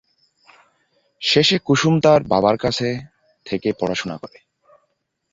শেষে কুসুম তার বাবার কাছে থেকে পড়াশুনা করে।